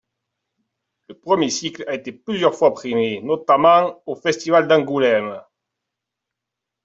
Le premier cycle a été plusieurs fois primé, notamment au Festival d’Angoulême.